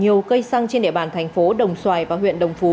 nhiều cây xăng trên địa bàn thành phố đồng xoài và huyện đồng phú